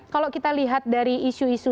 kalau kita lihat dari isu isu